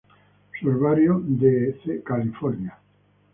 Su herbario de ca.